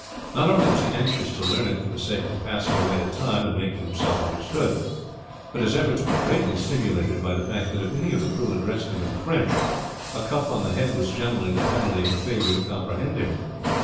Not only was he anxious to learn it for the sake of passing away the time and making himself understood, but his efforts were greatly stimulated by the fact that if any of the crew addressed him in French a cuff on the head was generally the penalty of a failure to comprehend him.